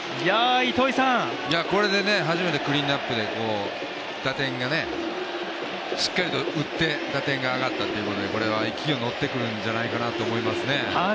これで初めてクリーンアップで打点がしっかりと打って打点が上がったということでこれは勢いにのってくるんじゃないかなと思いますね。